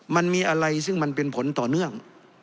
มันมีอะไรซึ่งมันเป็นผลต่อเนื่อง